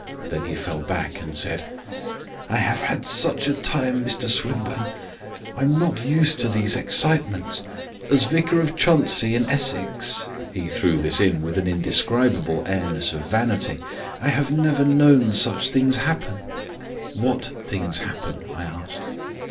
Then he fell back and said: "I have had such a time, Mr Swinburne. I am not used to these excitements. As Vicar of Chuntsey, in Essex" he threw this in with an indescribable airiness of vanity "I have never known such things happen." "What things happen?" I asked.